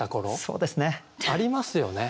そうですね。ありますよね？